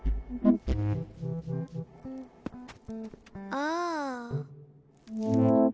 ああ。